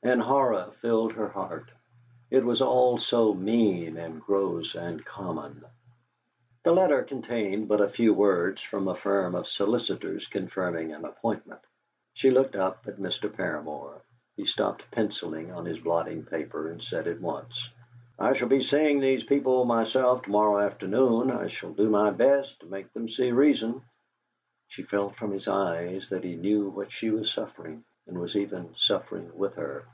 And horror filled her heart. It was all so mean, and gross, and common. The letter contained but a few words from a firm of solicitors confirming an appointment. She looked up at Mr. Paramor. He stopped pencilling on his blotting paper, and said at once: "I shall be seeing these people myself tomorrow afternoon. I shall do my best to make them see reason." She felt from his eyes that he knew what she was suffering, and was even suffering with her.